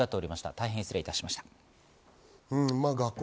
大変失礼しました。